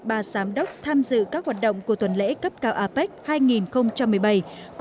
ba giám đốc tham dự các hoạt động của tuần lễ cấp cao apec hai nghìn một mươi bảy